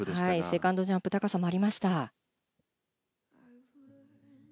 セカンドジャンプ高さもありました。